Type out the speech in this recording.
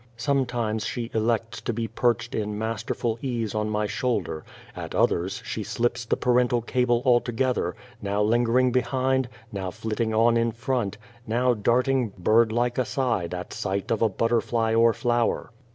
Sometimes she elects to be perched in masterful ease on my shoulder ; at others she slips the parental cable altogether, now lingering behind, now flitting on in front, now darting bird like aside at sight of a butterfly or flower.